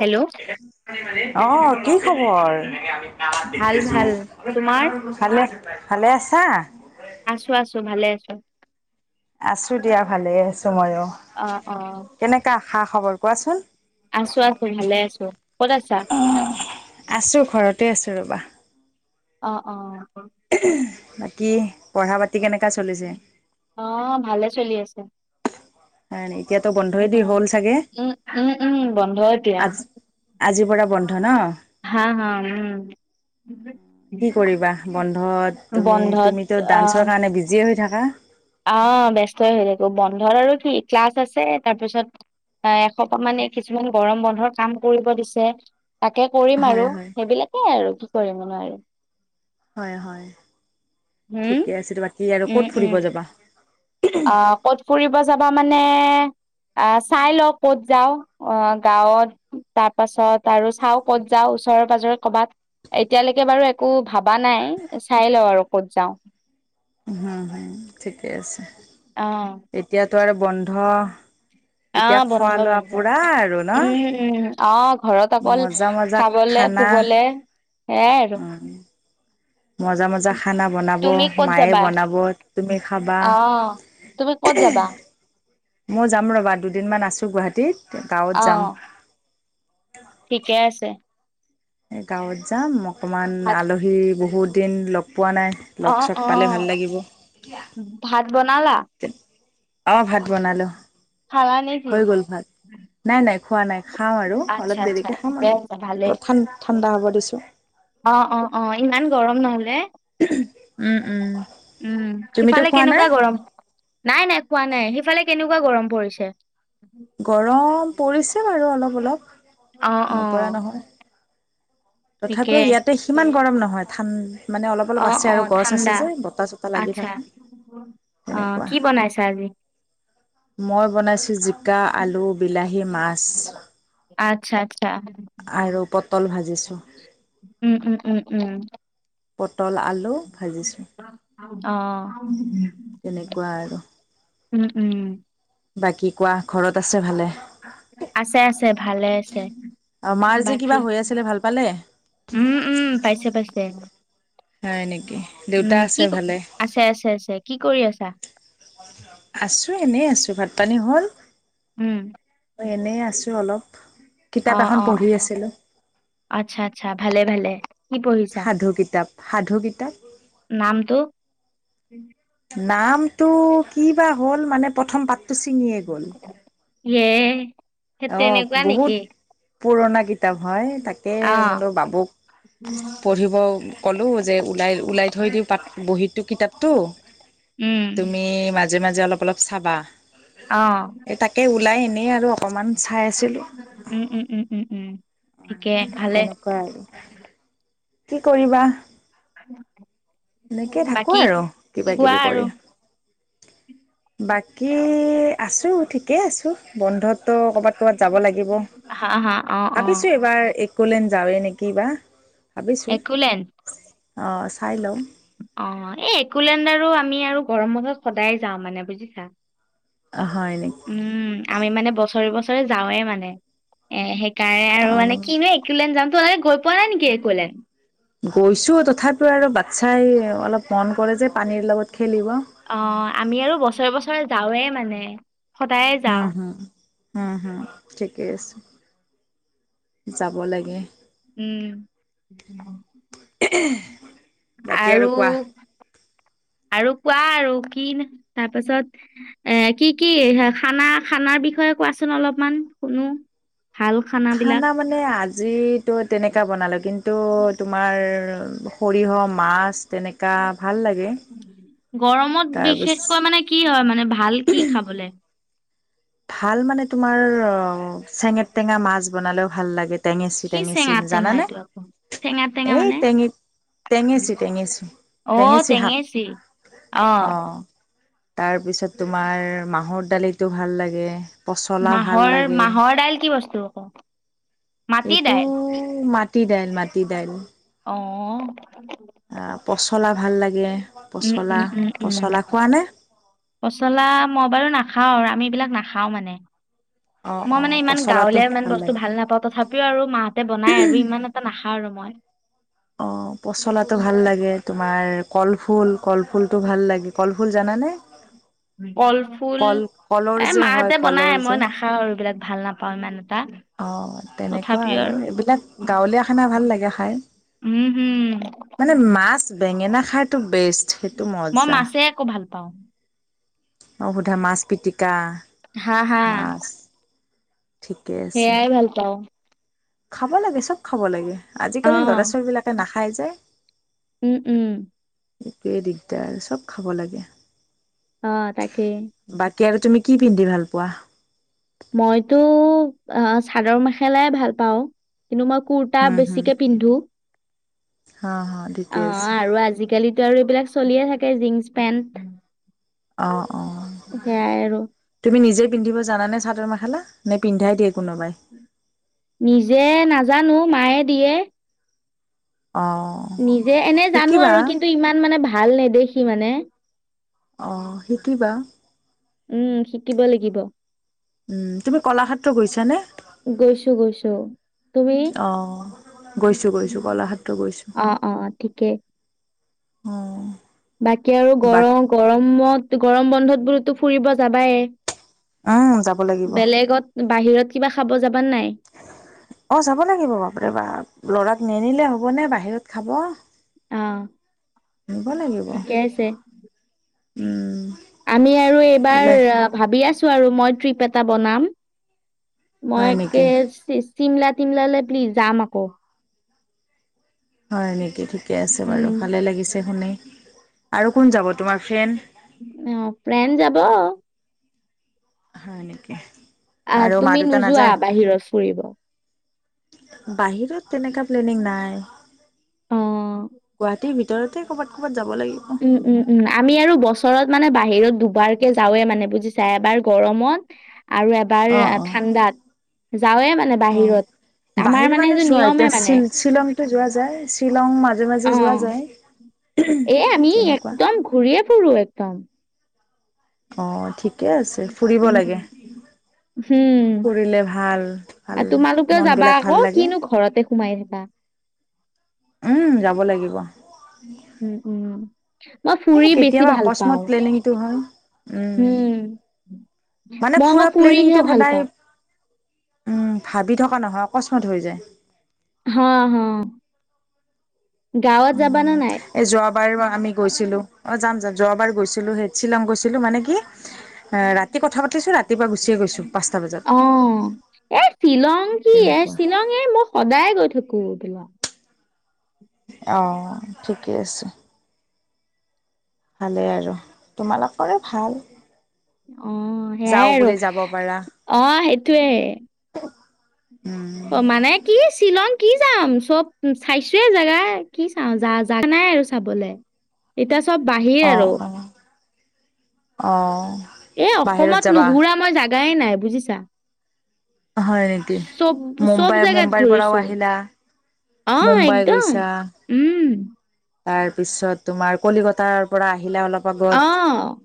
Hello অ', কি খবৰ? ভাল ভাল তোমাৰ ভালে, ভালে আছা? আছোঁ, আছোঁ, ভালে আছোঁ। আছোঁ দিয়া, ভালে আছোঁ ময়ো, অ অ কেনেকা খা খবৰ কোৱাচোন? আছোঁ, আছোঁ, ভালে আছোঁ, ক'ত আছা? আছো [unintelligible] ৰ'বা। অ', অ'। বাকী পঢ়া পাতি কেনেকা চলিছে? অ', ভালে চলি আছে। হয়, এতিয়াতো বন্ধয়দি উম হ'ল চাগে, উম উম উম বন্ধ এতিয়া [unintelligible] আজিৰ পৰা বন্ধ ন'? হা হা উম। কি কৰিবা বন্ধত? তুমি, বন্ধত তুমিতো ডান্সৰ কাৰণে বিজিয়ে হৈ থাকা। অ', ব্যস্তই হৈ থাকোঁ, বন্ধৰ আৰু কি ক্লাছ আছে তাৰপিছত অ', এসোপা মানে এই কিছুমান গৰম বন্ধৰ কাম কৰিব দিছে। তাকে কৰিম আৰু, হয় হয় সেইবিলাকেই আৰু কি কৰিমনো আৰু। হয়, হয়। হম, ঠিকে আছে বাকী আৰু উম, ক'ত উম, ফুৰিব যাবা? অ', ক'ত ফুৰিব যাবা মান নে আ, চাই লওঁ ক'ত যাওঁ, অ', গাঁৱত তাৰ পাছত আৰু চাওঁ ক'ত যাওঁ। ওচৰেৰ পাজৰে কৰ'বাত এতিয়ালৈকে বাৰু একো ভবা নাই, চাই লওঁ আৰু। ক'ত যাওঁ। হুম হুম ঠিকেই আছে। অ। দোৱাৰ বন্ধ। অ এতিয়া বন্ধ খোৱা লোৱা বন্ধ পুৰা আৰু ন উম উম আহ ঘৰত অকল মজা মজা খাবলৈ খানা শুবলে সেয়াই আৰু। মজ্জা মজ্জা খানা বনাব তুমি ক'ত মায়ে যাবা বনাব তুমি খাবা। আহ তুমি ক'ত যাবা। মই যাম ৰ'বা দুদিনমান আছো গুৱাহাটীত। গাঁৱত অ যাম ঠিকে আছে। গাঁৱত যাম অকনমান ভাত আলহী বহুত দিন লগ। পোৱা নাই অ লগ চগ অ পালে ভাল লাগিব। ভাত বনালা অ ভাত বনালো। খালা নেকি। নাই নাই খোৱা নাই খাওঁ আৰু আচ্ছা অলপ আচ্ছা দেৰিকে খাম ঠিকে আছে ভালেই আৰু। ঠাণ্ডা হ'ব দিছো। অ অ অ ইমান গৰম নহলে উম উম, উম তুমিতো সিফালে খোৱা নাই কেনেকুৱা গৰম নাই নাই খোৱা নাই সিফালে কেনেকুৱা, নেকুৱা গৰম পৰিছে। গৰম পৰিছে বাৰু অলপ অলপ, অ অ নপৰা নহয় তথাপিও ঠিকেই ইয়াতে সিমান গৰম নহয় ঠান মানে অলপ অ অলপ আছে অ আৰু গছ আছে ঠাণ্ডা যে বতাহ চতাহ লাগি আচ্ছা থাকে। অ তেনেকুৱা কি বনাইছা আজি। মই বনাইছোঁ জিকা আলু বিলাহী মাছ। আচ্ছা আৰু পটল ভাজিছো। উম উম উম উম, পটল আলু। ভাজিছো অ তেনেকুৱা আৰু উম উম। বাকী কোৱা, ঘৰত আছে ভালে? আছে আছে, ভালে আছে। আৰু মাৰ যে বাকী, কিবা হৈ আছিলে ভাল পালে উম উম, পাইছে পাইছে। হয় নেকি দেউতা উম, কি আছে ভালে আছে আছে আছে। কি কৰি আছা? আছো এনেই আছো। ভাত পানী হ'ল? উম। মই এনেই আছো অলপ। কিতাপ অ' এখন অ' পঢ়ি আছিলোঁ আচ্ছা আচ্ছা ভালে ভালে। কি পঢ়িছা সাধু কিতাপ সাধু কিতাপ নামটো? নামটো কিবা হ'ল মানে প্ৰথম পাঠটো ছিঙিয়ে গ'ল। ইয়ে সেই অ' তেনেকুৱা বহুত নেকি পুৰণা কিতাপ হয়। তাকে অ মই বোলো বাবুক পঢ়িব ক'লোঁ যে ওলাই ওলাই থৈ দিওঁ পাঠ বহিতো-কিতাপটো। উম তুমি ম মাজে মাজে অলপ অলপ চাবা, অ এই তাকে ওলাই এনেই আৰু অকমান। উম উম উম উম উম, ঠিকে ভালে। তেনেকুৱা আৰু কি কৰিবা? এনেকে থাকো বাকী আৰু কোৱা কিবা-কিবি আৰু কৰি। বাকী, আছো ঠিকেই আছো। বন্ধত তো ক'বাত ক'বাত যাব লাগিব। হা হা অ অ ভাবিছো এইবাৰ একলেণ্ড যাওঁৱে নেকি বা। একলেণ্ড। অ, চাই লওঁ। অঁ, এই একলেেণ্ড আৰু আমি আৰু গৰম বত সদায় যাওঁ মানে বুজিছা। হয় নেকি উম আমি মানে বছৰে বছৰে যাওঁৱে মানে এ। কাৰাৰে আৰু অঁ মানে কি ন একোন যামতো গৈ পোৱা নাই নেকি একুৱালেণ্ড। গৈছো তথাপিও আৰু বাচ্ছাই অলপ মন কৰে যে পানীৰ লগত। খেলিব অ আমি আৰু বছৰে বছৰে যাওঁৱেই মানে। সদায়ে যাওঁ হম হম হম হম। ঠিকে আছে যাব লাগে। উম, বাকী আৰু। কোৱা [inaudible] আৰু কোৱা আৰু কি তাৰপাছত এ কি কি খানা খানাৰ বিষয়ে কোৱাচোন অলপমান শুনো ভাল খানাবিলাক। যিটো তেনেকুৱৈ বনালোঁ কিন্তু তোমাৰ সৰিয়হ মাছ। তেনেককা ভাল লাগে। গৰমত তাৰপিছ বিশেষকৈ মানে কি হয় মানে ভাল কি খাবলে? ভাল মানে তোমাৰ অ চেঙেত টেঙা মাছ বনালেও ভাল লাগে। টেঙেচি কি টেঙেচি চেঙা টেঙা জানানে এইটো আকৌ চেঙা টেঙা এই মানে টেঙিত টেঙেচি টেঙেচি টেঙেচি শাক অ। তাৰপিছত তোমাৰ মাহৰ দালিতটো ভাল লাগে। পচলা ভাল মাহৰ লাগে মাহৰ দাইল কি বস্তু আকৌ মাটি এইটো দাইল ম মাটি দাইল মাটি দাল। অঁ। অ পচলা ভাল লাগে। উম পচলা উম উম উম পচলা খোৱানে পচলা মই বাৰু নাখাও আমি এইবিলাক নাখাওঁ মানে। অ মই অ মানে ইমান পচলাটো গাঁওলিয়া ইমান বস্তু লাগে ভাল নাপাওঁ তথাপিও আৰু মাহঁতে বনাই আৰু ইমান এটা নাখা আৰু মই। অ পচলাটো ভাল লাগে তোমাৰ কলফুল কলফুলটো ভাল লাগে। ফলফুল জানানে? কলফুল কল কলৰ এ যে হয় মাহঁতে কলৰ বনাই যে মই নাখাওঁ আৰু এইবিলাক ভাল নাপাওঁ ইমান এটা। অঁ তেনেকুৱা আৰু এইবিলাক গাঁৱলীয়া খানা ভাল লাগে খাই। উম হম মানে মাছ বেঙেনা খাৰটো বেষ্ট সেইটো মই মজা মাছে আকৌ ভাল পাওঁ। অ সোধা মাছ পিটিকা। হা হা। মাছ ঠিকে আছে সেয়াই ভাল পাওঁ। খাব লাগে চব খাব লাগে অ আজিকালি ল'ৰা ছোৱালীবিলাকে নাখাই যে। উম উম। এইটোৱে দিগদাৰ আৰু চব খাব লাগে। অ তাকে। কি আৰু তুমি কি পিন্ধি ভাল পোৱা? মইতো আহ চাদৰ মেখেলাই ভাল পাওঁ। কিন্তু মই কুৰ্তা হম হম বেছিকে পিন্ধো। অ ঠিকে অ আছে আৰু আজিকালিতো আৰু এইবিলাক চলিয়ে থাকে জীন্স পেন্ট। অ অ সেয়াই আৰু তুমি নিজে পিন্ধিব জানা নে চাদৰ মেখেলা নে পিন্ধাই দিয়ে কোনোবাই? নিজে নাজানো মায়ে দিয়ে। অ নিজে এনেই জানো শিকিবা আৰু কিন্তু ইমান মানে ভাল নেদেখি মানে অঁ শিকিবা উম শিকিব লাগিব। উম তুমি কলাক্ষেত্ৰ গৈছানে? গৈছো গৈছো তুমি? অঁ গৈছো গৈছো কলাক্ষেত্ৰ গৈছো অঁ অঁ ঠিকেই অঁ বাকী আৰু গৰ বাক গৰমত গৰম বন্ধত বোলোতো ফুৰিব যাবায় উম যাব বেলেগত বাহিৰত কিবা খাব যা অঁ যাব লাগিব বাপ ৰে বাপ ল'ৰাক নেনিলে হ 'বনে বাহিৰত খাব অঁ নিব লাগিব ঠিকে আছে। উম। আমি আৰু এইবাৰ ওলাই আ ভাবি আছো আৰু মই ট্ৰিপ এটা বনাম হয় মই কে নেকি চে চিমলা চিমলা লে [unintelligible] যাম আকৌ হয় নেকি, ঠিকে আছে উম। বাৰু ভালে লাগিছে শুনি আৰু কোন যাব তোমাৰ ফ্ৰেণ্ড? অঁ ফ্ৰেন যাব হয় নেকি? আহ আৰু মা তুমি দেউতা নোযোৱা নাযায় বাহিৰত ফুৰিব? বাহিৰত তেনেকা প্লেনিং নাই অ। গুৱাহাটীৰ ভিতৰতে ক'ৰবাত ক'ৰবাত যাব লাগিব উম উম উম। আমি আৰু বছৰত মানে বাহিৰত দুবাৰকে যাওৱে মানে বুজিছা এবাৰ গৰমত, আৰু আ এবাৰ অ', অ', ঠাণ্ডাত। যাওঁৱে মানে বাহিৰত। আমাৰ বাহিৰত মানে সেইটো চোৱা নিয়মে এতিয়া মানে শ - শ্বিলংতো যোৱা যায় শ্বিলং মাজে অ মাজে যোৱা যায়। এ' আমি তেনেকুৱা। একদম ঘূৰিয় পুৰো একদম।। অ' ঠিক উম। হুম, ফুৰিলে ভাল, ভাল আৰু তোমালোকেও যাবা মনবিলাক ভাল আকৌ লাগে, কিনো ঘৰতে সোমাই থাকিব। ন উম যাব লাগিব। উম উম। মই এই ফুৰি বেছি কেতিয়াবা ভাল অকস্মাত পাওঁ, প্লেনিংটো হয়, উম, উম। মানে মই আকৌ ফুৰা প্লেনিংটো ফুৰিহে ভাল সদায় পাওঁ। উম, ভাবি থকা নহয় অকস্মাত হৈ যায়। হা হা, গাঁৱত যাবা নে নাই? পাৰিবা আমি গৈছিলো অ' যাম - যাম যোৱাবাৰ গৈছিলো হে শ্বিলং গৈছিলো মানে কি। ৰাতি কথা পাতিছো ৰাতিপুৱা গুচিয়ে গৈছো পাঁচটা বজাত অ', তেনেকুৱ। শ্বিলঙে মই সদায় গৈ থাকো পলোৱা [inaudible] অ' ঠিকে আছে। ভালে আৰু তোমালোক কৰে ভাল। অ' যাওঁ সেয়াই আৰু বুলি যাব পাৰা। অ' সেইটোৱে। অ' মানে কি চিলন কি যাম চব চাইছোয়ে জোগা কি চাওঁ য- জাগা নাই আৰু চাবলৈ। এতিয়া চব বাহিৰ অঁ আৰু। অঁ অঁ। এই বাহিৰত অসমত যাবা নুঘুৰা মই জাগাই নাই বুজিছা। হয় নেকি? চব চব মুম্বাই জেগাত মুম্বাইৰ পৰাও ঘূৰিছো। আহিলা অৱ মুম্বাই একদম উম। তাৰ পিছত তোমাৰ কলিকতাৰ পৰা আহিলে অলপ আগত। অৱ।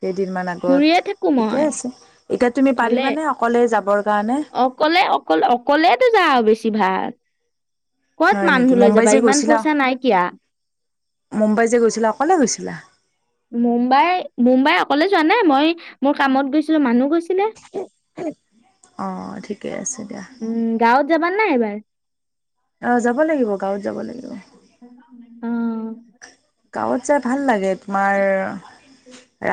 কেইদিনমান আগত ঠিকে মই আছে এতিয়া তুমি ভালে পাৰিবানে অকলে যাবৰ কাৰণে? এই অকল অকলেতো যাওঁ বেছি ভাগ। হয় নেকি মুম্বাই যে ইমান গৈছিলা পইচা নাইকিয়া মুম্বাই যে গৈছিলা অকলে গৈছিলা। মুম্বাই, মুম্বাই অকলে যোৱা নাই মই মোৰ কামত গৈছিলো মানুহ গৈছিলে। অ', ঠিকে আছে। দিয়া। উম গাঁৱত যাবা নাই এবাৰ। অ', যাব লাগিব গাঁৱত যাব লাগিব। অহ। গাঁৱত যাই ভাল লাগে তোমাৰ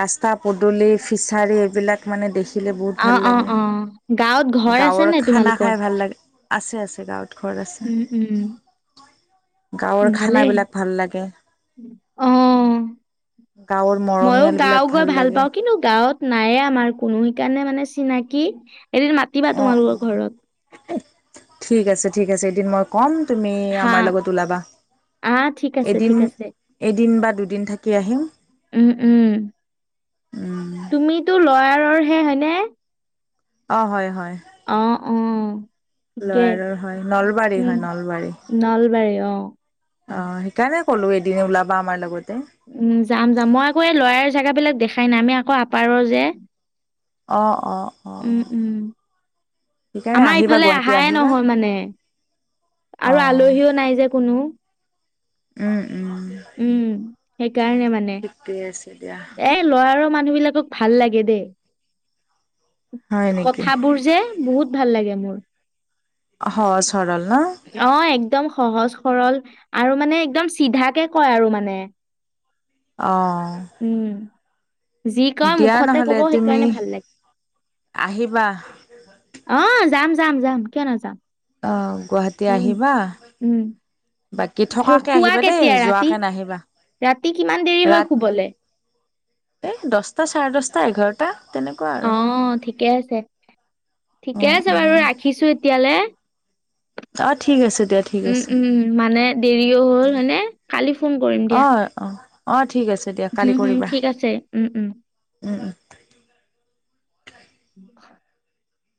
ৰাস্তা পদূলি ফিছাৰী এইবিলাক মানে দেখিলে বহুত অ ভাল অ লাগে। অ গাঁৱত ঘৰ আছে গাঁৱৰ নে খানা তোমালোকৰ খাই ভাল লাগে আছে, আছে গাঁৱত। ঘৰত আছে উম, উম। গাঁৱৰ ভালে খানাবিলাক ভাল লাগে অহ। গাঁৱৰ ময়ো গাওঁ মৰমীয়ালবিলাক গৈ ভাল লাগে পাওঁ কিনো গাঁৱত। নায়ে আমাৰ কোনো সেইকাৰণে মানে চিনাকি এদিন মাতিবা অ অ তোমালোকৰ ঘৰত। ঠিক আছে ঠিক আছে এদিন মই কম তুমি আমাৰ লগত ওলাবা। অ', ঠিক, আছে এদিন ঠিক, আছে এদিন বা দুদিন থাকি আহিম উম, উম। উম, তুমিতো লয়াৰৰ হে হয়নে। অ, হয়, হয়। অহ, উম। লয়াৰৰ, হয় নলবাৰী, হয় নলবাৰী। অ', নলবাৰী অ'। সেইকাৰণে কলো এদিন ওলাবা আমাৰ লগত। উ যাম, যাম মই আকৌ এই লৰই জেগাবিলাক দেখাই নাই আমি আকৌ আপাৰৰ যে। অ', অ', উম, অ', উম। সেইকাৰণে আমাৰ আহিবা ইফালে গুৱাহাটী অহা আহিবা নহয় মানে অ আৰু আলহীও নাই যে কোনো উম উম উম, সেইকাৰণে মানে ঠিকে আছে দিয়া এ ল'ৰাৰৰ মানুহবিলাকক ভাল লাগে দেই। হয় নেকি কথাবোৰ যে বহুত ভাল লাগে মোৰ। সহজ সৰল ন অ', একদম সহজ। সৰল আৰু মানে একদম চিধাকে কয় আৰু মানে। অ', উম, যি কয় দিয়া মুখতে কব নহ'লে তুমি সেইকাৰণে ভাল লাগে। আহিবা। অহ, যাম যাম, যাম কিয় ন যাম। অ', গুৱাহাটী আহিবা। উম। বাকী শু- থকাকে শুৱা আহিবা দেই কেতিয়া ৰাতি? যোৱাকে নাহিবা। ৰাতি কিমান দেৰি হয় শুবলৈ। এ দহটা চাৰে দশটা এঘাৰটা। তেনেকুৱা আৰু অ', ঠিকে আছে, ঠিকে উম আছে, বাৰু ৰাখিছো এতিয়ালৈ। উ। উম, উম মানে দেৰিও হ'ল হনে কালি ফোন কৰিম অ দিয়া। অ অ ঠিক আছে দিয়া কালি হুম, হুম, কৰিবা। ঠিক আছে। উম, উম। [unintelligible]